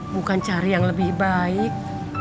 bukan cari yang lebih baik